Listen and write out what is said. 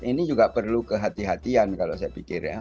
ini juga perlu kehatian kalau saya pikir ya